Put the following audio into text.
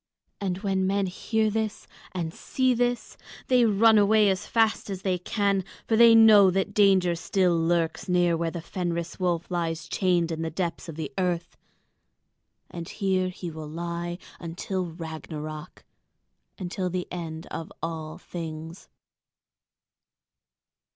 And when men hear this and see this they run away as fast as they can, for they know that danger still lurks near where the Fenris wolf lies chained in the depths of the earth; and here he will lie until Ragnarök, until the end of all things.